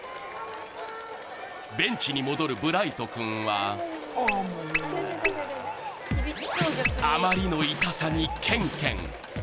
ベンチに戻るブライト君はあまりの痛さにケンケン。